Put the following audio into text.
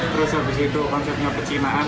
terus habis itu konsepnya pecinaan